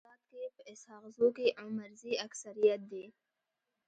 په نوزاد کي په اسحق زو کي عمرزي اکثريت دي.